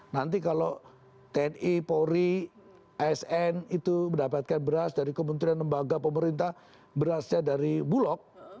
nanti kalau tni polri asn itu mendapatkan beras dari kementerian lembaga pemerintah berasnya dari bulog